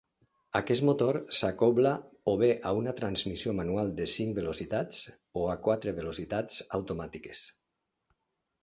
Aquest motor s'acobla o bé a una transmissió manual de cinc velocitats o a quatre velocitats automàtiques.